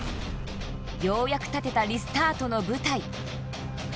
ようやく立てたリスタートの舞台